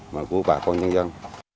mà của bà con nhân dân